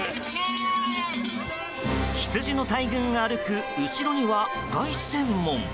羊の大群が歩く後ろには凱旋門。